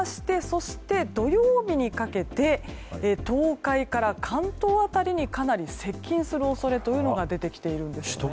そして土曜日にかけて東海から関東辺りにかなり接近する恐れが出てきているんですよね。